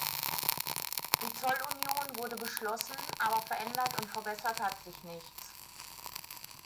Die Zollunion wurde beschlossen, aber verändert und verbessert hat sich nichts.